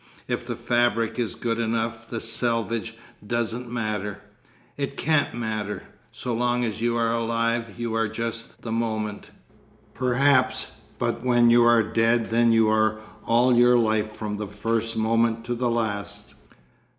If the fabric is good enough the selvage doesn't matter. It can't matter. So long as you are alive you are just the moment, perhaps, but when you are dead then you are all your life from the first moment to the last....